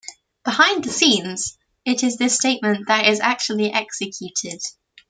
Behind the scenes, it is this statement that is actually executed.